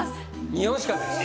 ２本しかないです